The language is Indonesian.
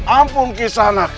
ampun kisah anak